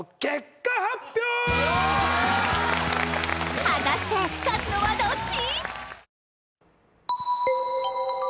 果たして勝つのはどっち？